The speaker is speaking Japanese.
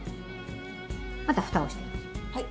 またふたをしていきます。